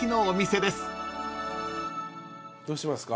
どうしますか？